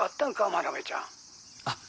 真鍋ちゃん」あっいえ